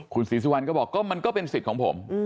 คุณศรีสุวรรณก็บอกก็มันก็เป็นสิทธิ์ของผม